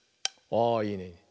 あいいね。